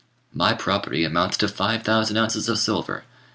] "My property amounts to five thousand ounces of silver.